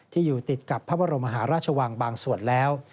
อยู่ติดกับพระบรมหาราชวังบางส่วนแล้ว